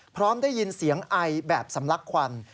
พร้อมได้ยินเสียงไอแบบสำลักควัน